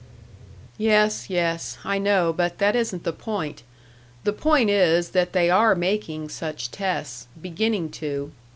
"Yes, yes, I know, but that isn't the point. The point is that they are making such tests beginning to.